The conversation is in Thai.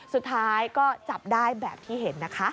สุดท้ายก็จับได้แบบที่เห็นนะคะ